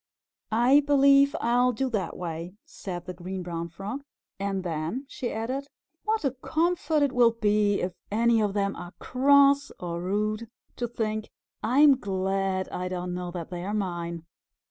"I believe I'll do that way," said the Green Brown Frog. "And then," she added, "what a comfort it will be if any of them are cross or rude, to think, 'I'm glad I don't know that they are mine.'"